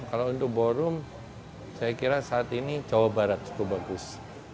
kalau untuk ballroom saya kira saat ini jawa barat cukup bagus